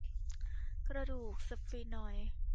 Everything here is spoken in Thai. กระดูกสฟีนอยด์